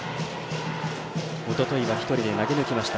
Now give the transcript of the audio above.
おとといは一人で投げ抜きました。